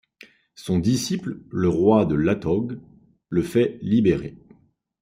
Son disciple, le roi de Lhathog, le fait libéré.